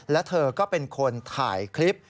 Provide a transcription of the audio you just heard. และเธอก็เป็นคนถ่ายคลิป